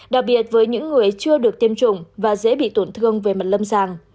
đặc biệt với những người chưa được tiêm chủng và dễ bị tổn thương về mặt lâm sàng